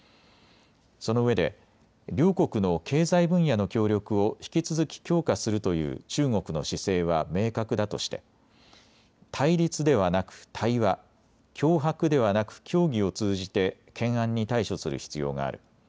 そのうえで両国の経済分野の協力を引き続き強化するという中国の姿勢は明確だとして対立ではなく対話、脅迫ではなく協議を通じて懸案に対処する必要がある。